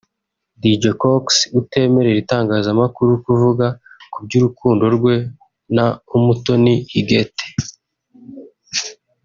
Dj Cox utemerera itangazamakuru kuvuga ku by’urukundo rwe na Umutoni Huguette